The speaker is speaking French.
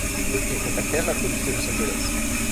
Ils contactèrent la police de Los Angeles.